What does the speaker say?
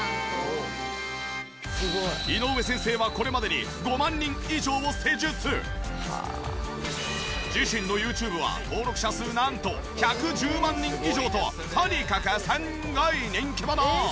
井上先生はこれまでに自身のＹｏｕＴｕｂｅは登録者数なんと１１０万人以上ととにかくすんごい人気者！